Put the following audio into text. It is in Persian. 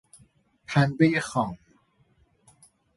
پنبه خام